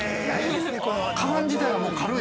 ◆かばん自体が軽い？